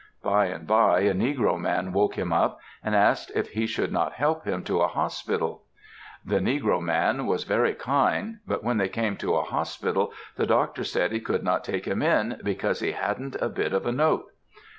By and by a negro man woke him up, and asked if he should not help him to a hospital. The negro man was very kind, but when they came to a hospital the doctor said he could not take him in, because he "hadn't a bit of a note."